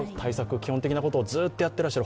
基本的なことをずっとやっていらっしゃる。